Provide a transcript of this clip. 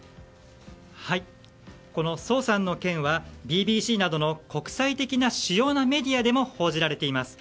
ソウさんの件はＢＢＣなどの国際的な主要なメディアでも報じられています。